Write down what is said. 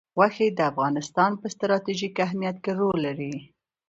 غوښې د افغانستان په ستراتیژیک اهمیت کې رول لري.